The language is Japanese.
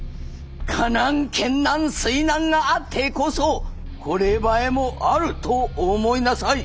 火難剣難水難があってこそほれ栄えもあるとお思いなさい。